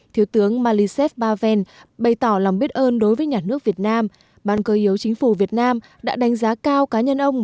thiếu tướng maliset baven bày tỏ lòng biết ơn đối với nhà nước việt nam ban cơ yếu chính phủ việt nam đã đánh giá cao cá nhân ông